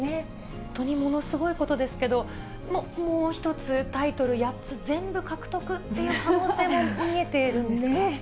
本当にものすごいことですけれども、もう１つ、タイトル８つ全部獲得っていう可能性も見えてるんですか。